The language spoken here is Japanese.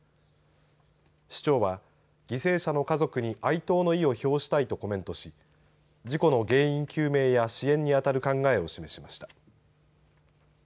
市長は犠牲者の家族に哀悼の意を表したいとコメントし事故の原因究明や支援に当たる考えを示しました。